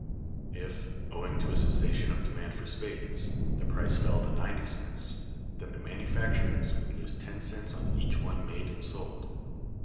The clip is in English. If, owing to a cessation of demand for spades, the price fell to ninety cents, then the manufacturers would lose ten cents on each one made and sold.